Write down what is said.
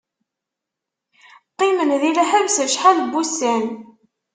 Qqimen di lḥebs acḥal n wussan.